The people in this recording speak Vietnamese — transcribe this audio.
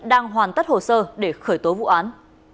đang hoàn tất hồ sơ để khởi tố vụ án